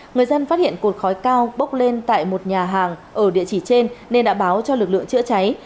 người dân phát hiện cột khói cao bốc lên tại một nhà hàng ở địa chỉ trên nên đã báo cho lực lượng chữa cháy